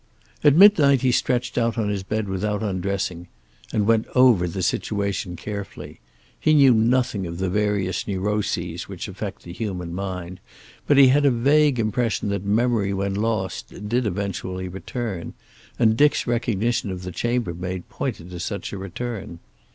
At midnight he stretched out on his bed without undressing, and went over the situation carefully. He knew nothing of the various neuroses which affect the human mind, but he had a vague impression that memory when lost did eventually return, and Dick's recognition of the chambermaid pointed to such a return.